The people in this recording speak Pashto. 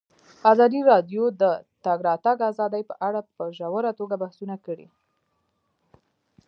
ازادي راډیو د د تګ راتګ ازادي په اړه په ژوره توګه بحثونه کړي.